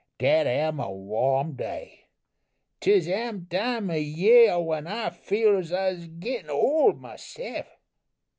Dat am a warm day. Dis am de time of yeah when I feels I'se gettin' ole myse'f.